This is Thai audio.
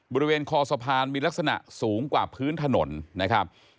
บริเวณคอสะพานมีลักษณะสูงกว่าพื้นถนนนะครับ